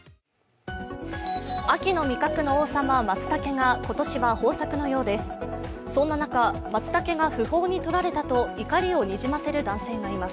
秋の味覚の王様、まつたけが今年は豊作のようです。